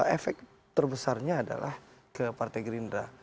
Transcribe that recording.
efek terbesarnya adalah ke partai gerindra